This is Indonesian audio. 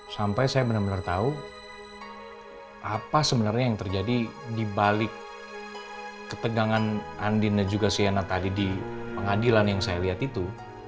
sampai saya benar benar tahu apa sebenarnya yang terjadi di balik ketegangan andin dan juga siana tadi di pengadilan yang saya lihat itu